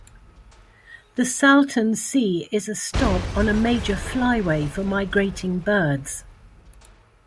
The Salton Sea is a stop on a major flyway for migrating birds.